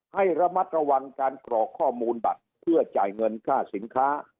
ให้ระมัดระวังการกรอกข้อมูลบัตรเพื่อจ่ายเงินค่าสินค้า